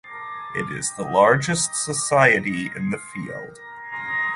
It is the largest society in the field.